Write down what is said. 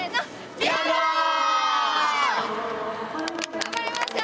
頑張りましょう！